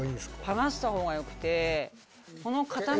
剥がした方がよくて。